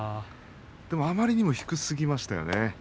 でもあまりにも低すぎましたね。